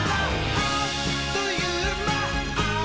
あっというまっ！」